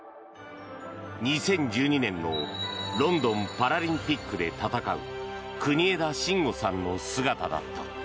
２０１２年のロンドンパラリンピックで戦う国枝慎吾さんの姿だった。